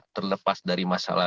terlepas dari masalah